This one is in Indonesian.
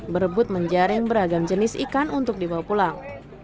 berebut menjaring beragam jenis ikan untuk dibawa pulang